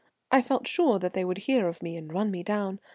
I felt sure they would soon hear of me and run me down.